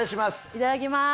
いただきます！